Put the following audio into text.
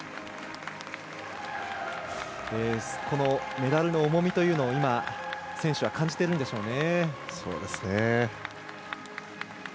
メダルの重みというのを選手たちは感じているんでしょうね。